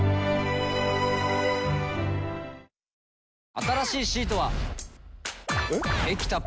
新しいシートは。えっ？